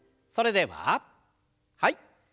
それでははい。